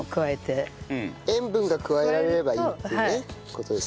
塩分が加えられればいいって事ですね。